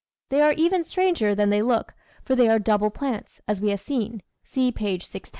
They are even stranger than they look, for they are double plants, as we have seen (see p. 610)